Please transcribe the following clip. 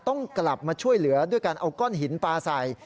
ต้องกลับมาช่วยเหลือด้วยการเอาก้อนหินปลาใส่